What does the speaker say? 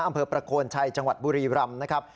อำเภอประโคนชัยจังหวัดบุรีรำนะครับ